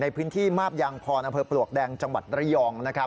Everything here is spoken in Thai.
ในพื้นที่มาพยางพลปลวกแดงจังหวัดระยอง